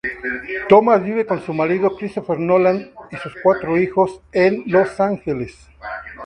Thomas vive con su marido, Christopher Nolan, y sus cuatro hijos en Los Ángeles.